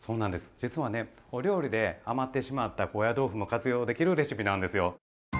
実はねお料理で余ってしまった高野豆腐も活用できるレシピなんですよ。